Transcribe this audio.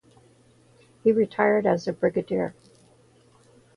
He retired as a Brigadier.